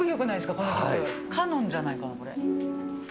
この曲、カノンじゃないかな、これ。